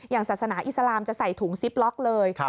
ศาสนาอิสลามจะใส่ถุงซิปล็อกเลย